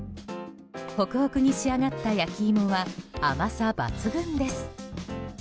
ホクホクに仕上がった焼き芋は甘さ抜群です。